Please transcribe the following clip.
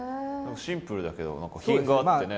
シンプルだけど何か品があってね。